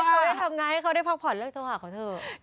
เขาได้ทำงานให้เขาได้พักผ่อนเลิกโทรหาเขาเถอะ